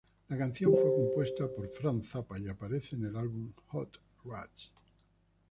La canción fue compuesta por Frank Zappa y aparece en el álbum "Hot Rats".